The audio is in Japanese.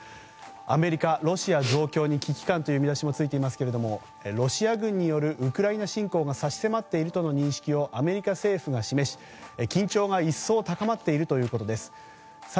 アメリカ、ロシア増強に危機感という見出しもついていますがロシア軍によるウクライナ侵攻が差し迫っているという見通しをアメリカ政府が示し、緊張が高まっているということです。